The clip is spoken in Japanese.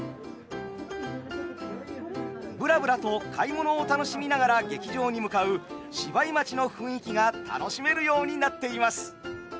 ぶらぶらと買い物を楽しみながら劇場に向かう芝居待ちの雰囲気が楽しめるようになっています。